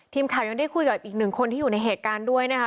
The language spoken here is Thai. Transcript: ทีมข่าวยังได้คุยกับอีกหนึ่งคนที่อยู่ในเหตุการณ์ด้วยนะคะ